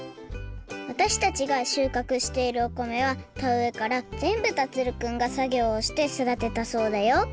わたしたちがしゅうかくしているお米はたうえからぜんぶ樹くんがさぎょうをしてそだてたそうだよ。